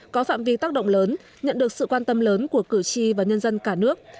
có phạm vi tác động lớn nhận được sự quan tâm lớn của cử tri và nhân dân cả nước